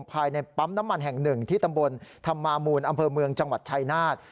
ภายในปั๊มน้ำมันแห่งหนึ่งที่ตำบลธรรมามูลอำเภอเมืองจังหวัดชายนาฏ